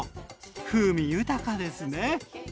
風味豊かですね。